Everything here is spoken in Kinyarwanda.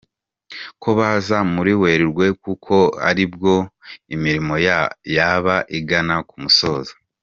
ko baza muri Werurwe kuko aribwo imirimo yaba igana ku musozo.